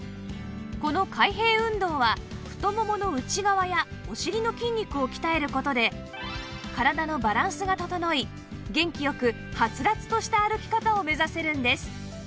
この開閉運動は太ももの内側やお尻の筋肉を鍛える事で体のバランスが整い元気よくハツラツとした歩き方を目指せるんです